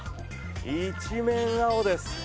一面、青です。